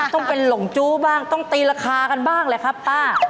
ต้องเป็นหลงจู้บ้างต้องตีราคากันบ้างแหละครับป้า